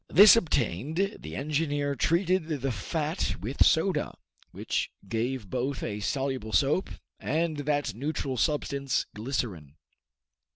This obtained, the engineer treated the fat with soda, which gave both a soluble soap and that neutral substance, glycerine.